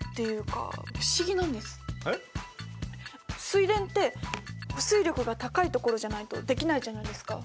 水田って保水力が高いところじゃないとできないじゃないですか。